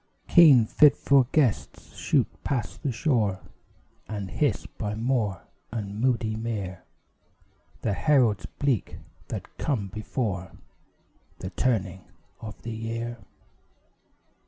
Keen fitful gusts shoot past the shore And hiss by moor and moody mere The heralds bleak that come before The turning of the year.